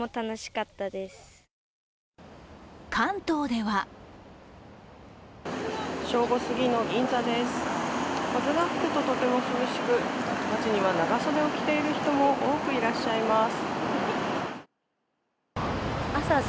関東では正午すぎの銀座です風が吹くととても涼しく街には長袖を着ている人も多くいらっしゃいます。